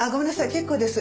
結構です。